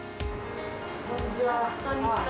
こんにちは。